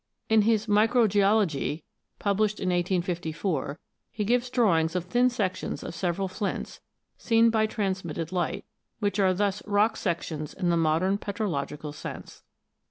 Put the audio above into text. In his " Mikrogeologie," published in 1854, he gives drawings of thin sections of several flints, seen by transmitted light, which are thus rock sections in the modern petrological sense.